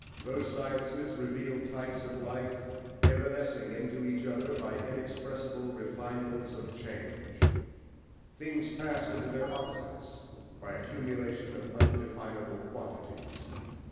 Those sciences reveal types of life evanescing into each other by inexpressible refinements of change. Things pass into their opposites by accumulation of undefinable quantities.